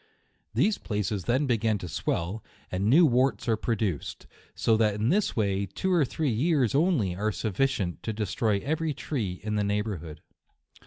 These places then begin to swell, and new warts are produced ; so that in this way, two or three years only are sufficient to destroy every tree in the neigh bourhood.